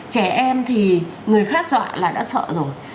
trẻ em thì người khác dọa là đã sợ rồi